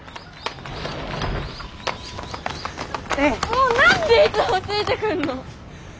もう何でいつもついてくんの？